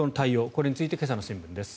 これについて今朝の新聞です。